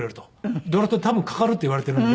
ドラフトに多分かかるって言われているんで。